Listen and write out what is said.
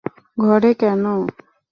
ঘরে, কেন?